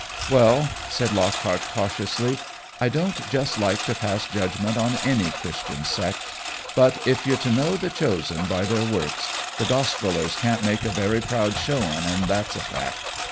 "Well," said Lockhart, cautiously, "I don't just like to pass judgment on any Christian sect, but if you're to know the chosen by their works, the Gospellers can't make a very proud showin', an' that's a fact.